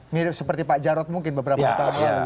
mirip seperti pak jarod mungkin beberapa tahun lalu